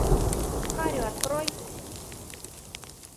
Харю открой!